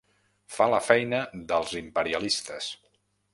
Fa la feina dels imperialistes.